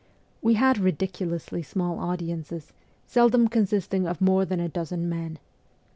We had ridiculously small audiences, seldom consisting of more than a dozen men.